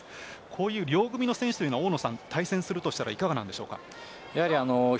こういう両組みの選手は対戦するとしたらいかがなんでしょうか？